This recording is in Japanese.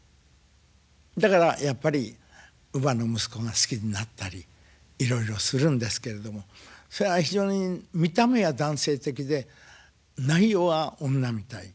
だからやっぱり乳母の息子が好きになったりいろいろするんですけれどもそりゃあ非常に見た目は男性的で内容は女みたい。